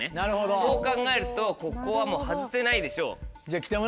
そう考えるとここはもう外せないでしょ。